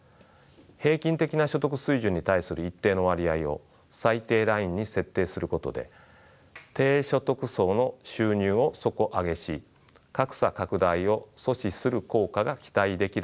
平均的な所得水準に対する一定の割合を最低ラインに設定することで低所得層の収入を底上げし格差拡大を阻止する効果が期待できる面もあります。